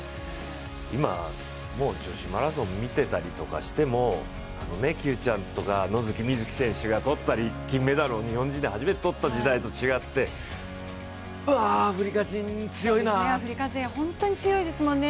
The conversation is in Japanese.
今、女子マラソンを見てたりしてもＱちゃんとか、野口みずき選手が金メダルを日本人で初めて取った選手と違ってうわ、アフリカ人、強いなアフリカ勢本当に強いですもんね。